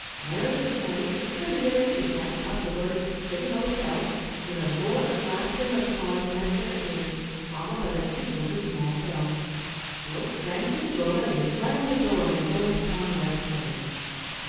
Larry's surprise just permitted him to gasp out the words "City Hotel," when a roar of laughter and applause met their ears, followed by the tinkle of a small bell. Bill sprang through the doorway, and slammed the door in his old comrade's face.